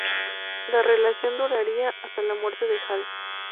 La relación duraría hasta la muerte de Hall.